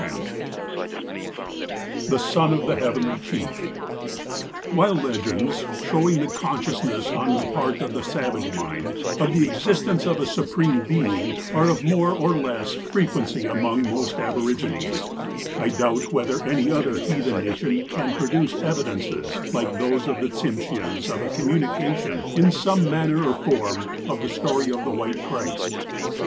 XIV THE SON OF THE HEAVENLY CHIEF WHILE legends, sliowiug the consciousness, on the part of the savage mind, of the existence of a Supreme Being, are of more or less fre quency among most aborigines, I doubt whether any other heathen nation can produce evidences, like those of the Tsimsheaus, of a communication, in some manner or form, of the story of the White Christ.